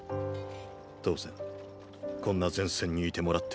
当然こんな前線にいてもらっては困る。